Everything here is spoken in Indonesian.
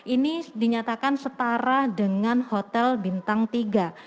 ini dinyatakan setara dengan hotel bintang tiga